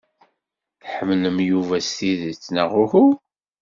Tḥemmlem Yuba s tidet, neɣ uhu?